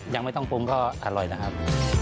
ยังไม่ต้องปรุงก็อร่อยนะครับ